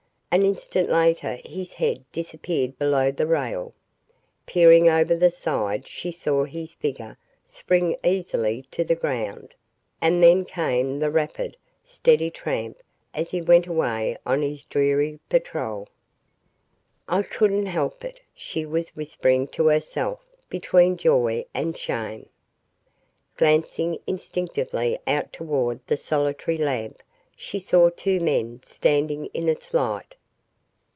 An instant later his head disappeared below the rail. Peering over the side she saw his figure spring easily to the ground, and then came the rapid, steady tramp as he went away on his dreary patrol. "I couldn't help it," she was whispering to herself between joy and shame. Glancing instinctively out toward the solitary lamp she saw two men standing in its light.